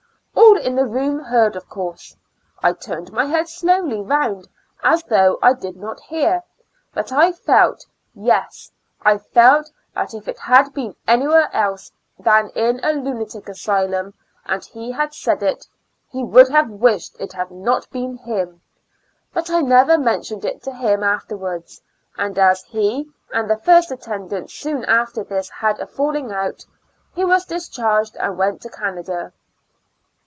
All in the room X48 ^^'^ Years and Four Months heard, of course. I tiiriicd my head slowly around as though I did not hear, but I felt; yes, I felt that if it had been any where else than in a lunatic asylum, and he had said it, he would have wished it had not been him; but I never mentioned it to him after wards; and as he and the first attendant soon after this had a falling out, he was dis charged and went to Canada.